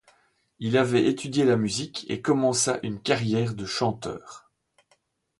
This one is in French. Il avait étudié la musique et commença une carrière de chanteur.